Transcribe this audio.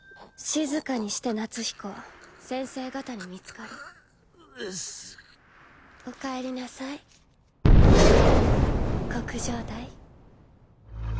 静かにして夏彦先生方に見つかるうっすお帰りなさい黒杖代